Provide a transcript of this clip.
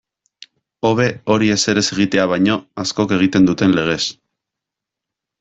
Hobe hori ezer ez egitea baino, askok egiten duten legez.